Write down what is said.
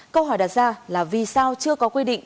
câu hỏi đặt ra là vì sao chưa có quy định